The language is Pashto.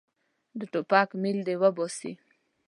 د ټوپک میل دې وباسي.